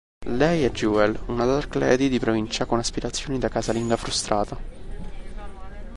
Lei è Jewel, una dark lady di provincia con aspirazioni da casalinga frustrata.